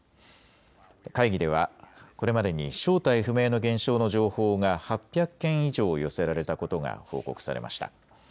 会議ではこれまでに正体不明の現象の情報が８００件以上寄せられたことが報告されました。